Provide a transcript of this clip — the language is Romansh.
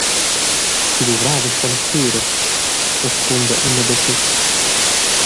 «Ti luvravas quellas seras», rispunda Emma da schetg.